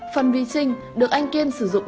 phần vi sinh được anh kiên sử dụng